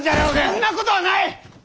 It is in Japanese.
そんなことはない！